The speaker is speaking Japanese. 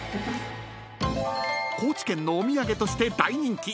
［高知県のお土産として大人気］